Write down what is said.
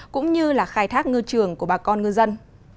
cũng như là khai thác ngư trường của bà con ngư dân